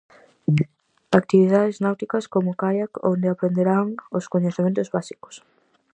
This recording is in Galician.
Actividades náuticas como caiac onde aprenderán os coñecementos básicos.